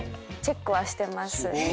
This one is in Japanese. チェックはしてます。